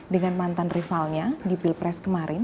dengan mantan rivalnya di pilpres kemarin